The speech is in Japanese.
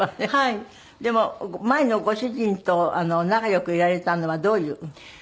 でも前のご主人と仲良くいられたのはどういう？